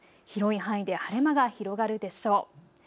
広い範囲で晴れ間が広がるでしょう。